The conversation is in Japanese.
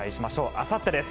あさってです。